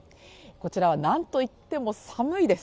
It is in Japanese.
こちらはなんといっても寒いです。